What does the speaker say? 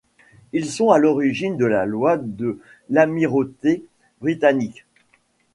Ils sont à l’origine de la Loi de l'Amirauté britannique.